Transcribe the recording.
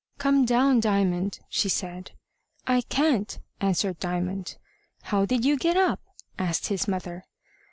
"Come down, Diamond," she said. "I can't," answered Diamond. "How did you get up?" asked his mother.